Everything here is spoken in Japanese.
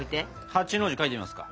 ８の字描いてみますか？